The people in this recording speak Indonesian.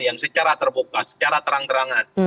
yang secara terbuka secara terang terangan